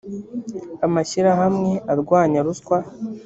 amashyirahamwe arwanya ruswa